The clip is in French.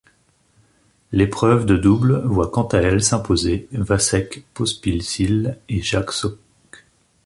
L'épreuve de double voit quant à elle s'imposer Vasek Pospisil et Jack Sock.